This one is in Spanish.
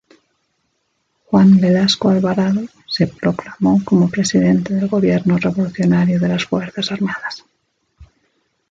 Juan Velasco Alvarado se proclamó como presidente del Gobierno Revolucionario de las Fuerzas Armadas.